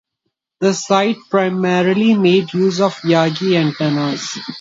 The site primarily made use of Yagi antennas.